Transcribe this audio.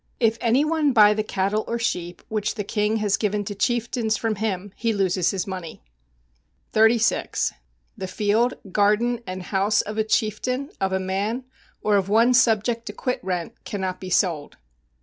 If any one buy the cattle or sheep which the king has given to chieftains from him he loses his money. 35. The field, garden and house of a chieftain, of a man, or of one subject to quit rent, cannot be sold.